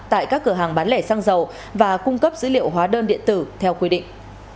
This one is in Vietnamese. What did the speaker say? tại các cửa hàng bán lẻ xăng dầu và cung cấp dữ liệu hóa đơn điện tử theo quy định